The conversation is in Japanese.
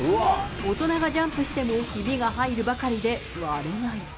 大人がジャンプしてもひびが入るばかりで割れない。